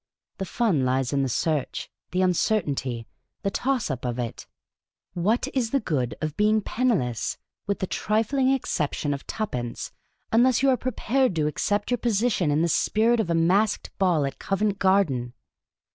The fun lies in the search, the uncertainty, the toss up of it. What is the good of being penniless — with the trifling exception of twopence — unless 6 Miss Cayley's Adventures you are prepared to accept your position in the spirit of a masked ball at Covent Garden